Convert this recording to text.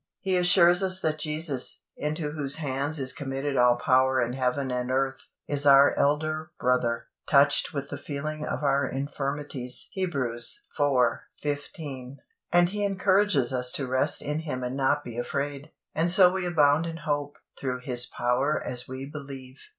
He assures us that Jesus, into whose hands is committed all power in Heaven and earth, is our elder Brother, "touched with the feeling of our infirmities" (Hebrews iv. 15), and He encourages us to rest in Him and not be afraid; and so we abound in hope, through His power as we believe.